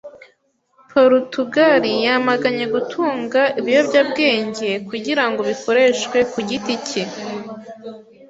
Porutugali yamaganye gutunga ibiyobyabwenge kugira ngo bikoreshwe ku giti cye.